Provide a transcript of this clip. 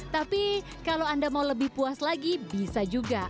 tapi kalau anda mau lebih puas lagi bisa juga